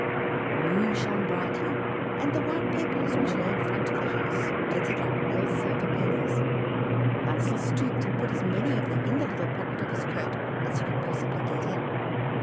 The moon shone brightly, and the white pebbles which lay in front of the house glittered like real silver pennies. Hansel stooped and put as many of them in the little pocket of his coat as he could possibly get in.